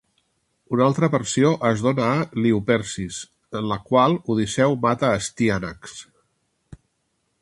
Una altra versió es dona a "Iliupersis", en la qual Odisseu mata Astíanax.